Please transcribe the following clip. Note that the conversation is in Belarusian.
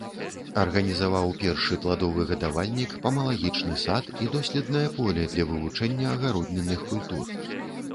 Арганізаваў першы пладовы гадавальнік, памалагічны сад і доследнае поле для вывучэння агароднінных культур.